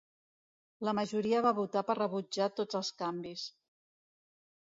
La majoria va votar per rebutjar tots els canvis.